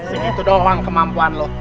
diritu doang kemampuan lo